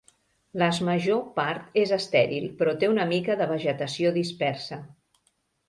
Las major part és estèril, però té una mica de vegetació dispersa.